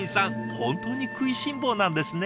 本当に食いしん坊なんですね。